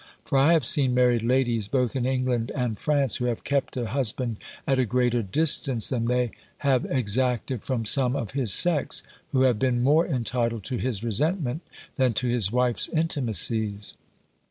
For I have seen married ladies, both in England and France, who have kept a husband at a greater distance than they have exacted from some of his sex, who have been more entitled to his resentment, than to his wife's intimacies.